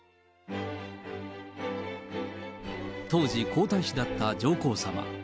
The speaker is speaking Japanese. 当時、皇太子だった上皇さま。